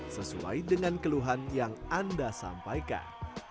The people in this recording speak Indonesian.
sesuai dengan keluhan yang anda sampaikan